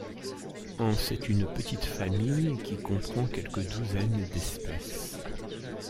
En c'est une petite famille qui comprend quelques douzaines d'espèces.